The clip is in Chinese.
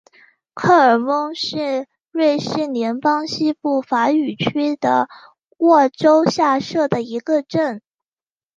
科尔翁是瑞士联邦西部法语区的沃州下设的一个镇。